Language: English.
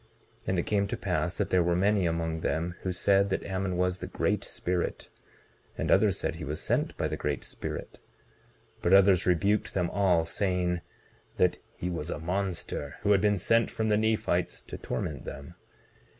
19:25 And it came to pass that there were many among them who said that Ammon was the Great Spirit, and others said he was sent by the Great Spirit; 19:26 But others rebuked them all, saying that he was a monster, who had been sent from the Nephites to torment them.